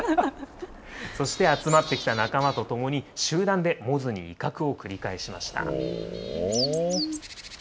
そして集まってきた仲間と共に集団でモズに威嚇を繰り返しました。